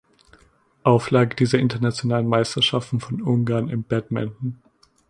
Auflage dieser internationalen Meisterschaften von Ungarn im Badminton.